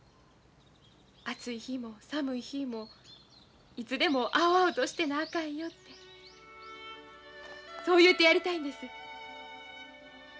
暑い日も寒い日もいつでも青々としてなあかんよってそう言うてやりたいんです。